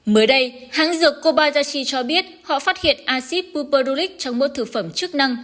mới đây hãng dược kobayashi cho biết họ phát hiện acid buperulic trong một thực phẩm chức năng